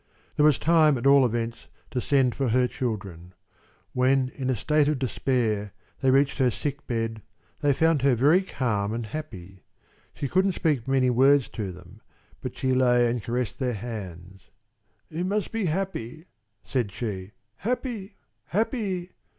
There was time, at all events, to send for her children. When, in a state of despair, they reached her sick bed, they found her very calm and happy. She couldn't speak many words to them, but she lay and caressed their hands. "You must be happy," said she, "happy, happy!"